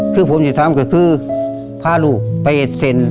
คือผมจะทำคือพ่าลูกไปเอ็ดเซ็น